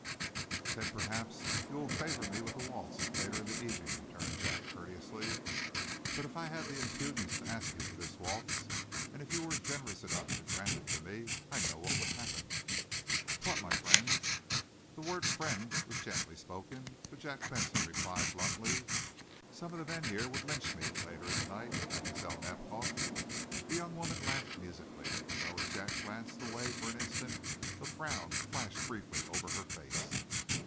"Then perhaps you will favor me with a waltz, later in the evening," returned Jack, courteously. "But if I had the impudence to ask you for this waltz, and if you were generous enough to grant it to me, I know what would happen." "What, my friend?" The word "friend" was gently spoken, but Jack Benson replied bluntly: "Some of the men here would lynch me, later in the night, Mlle. Nadiboff." The young woman laughed musically, though, as Jack glanced away for an instant, a frown flashed briefly over her face.